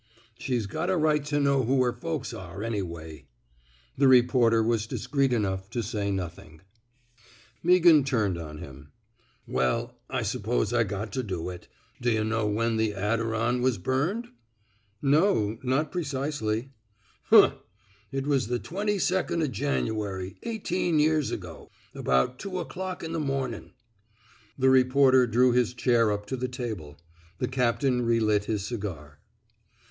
She's got a right to know who her folks are, anyway." The reporter was discreet enough to say nothing. 284 NOT FOE PUBLICATION Meaghan turned on him. Well, I s'pose I got to do it. D'yuh know when the * Adiron * was burned! *'No. Not precisely.*' " Huh I It was the twenty second o* Janu ary, eighteen years ago — about two o'clock in the momin'.*' The reporter drew his chair up to the table. The captain relit his cigar.